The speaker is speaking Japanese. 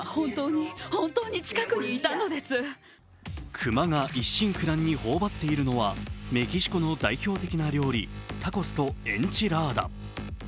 熊が一心不乱に頬張っているのは、メキシコの代表的な料理、タコスとエンチラーダ。